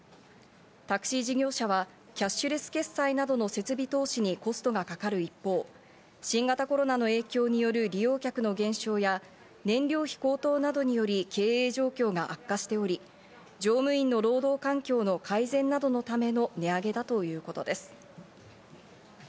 タクシー事業者はキャッシュレス決済などの設備投資にコストがかかる一方、新型コロナの影響による利用客の減少や燃料費高騰などにより、経営状況が悪化しており、乗務員の労働環境の改善などのための値上げだということです。